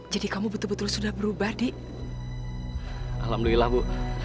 jadi kamu betul betul sudah berubah di alhamdulillah bu